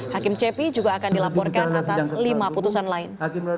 hakim cepi juga akan dilaporkan atas lima putusan lain